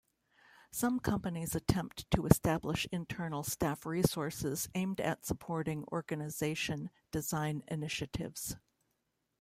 Some companies attempt to establish internal staff resources aimed at supporting organization design initiatives.